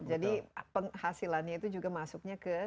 jadi hasilannya itu juga masuknya ke